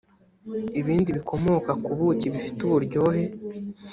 ibindi bikomoka ku buki bifite uburyohe.